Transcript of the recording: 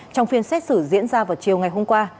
trong phiên xét xử diễn ra vào chiều ngày hôm qua